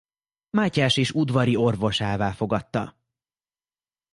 Mátyás is udvari orvosává fogadta.